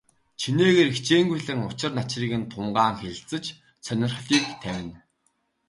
Чинээгээр хичээнгүйлэн учир начрыг тунгаан хэлэлцэж, сонирхлыг тавина.